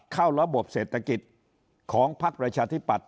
เข้าระบบเศรษฐกิจของพักประชาธิปัตย